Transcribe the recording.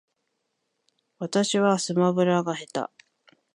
私はスマブラが下手